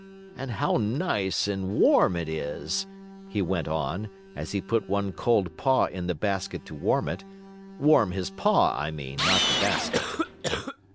And how nice and warm it is," he went on, as he put one cold paw in the basket to warm it; warm his paw I mean, not the basket.